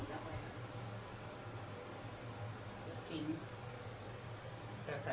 คนเสื้อเผา